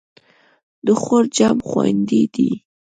د خور جمع خویندې دي.